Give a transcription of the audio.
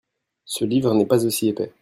Ce livre n'est pas aussi épais.